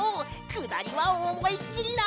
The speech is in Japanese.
くだりはおもいっきりな！